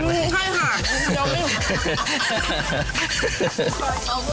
ใช่ค่ะ